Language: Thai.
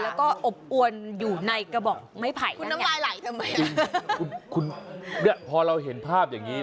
แล้วก็อบอวนอยู่ในกระบอกไม่ไผ่